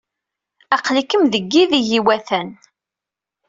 Aql-ikem deg yideg ay iwatan.